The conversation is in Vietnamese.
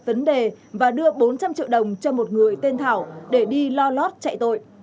vấn đề và đưa bốn trăm linh triệu đồng cho một người tên thảo để đi lo lót chạy tội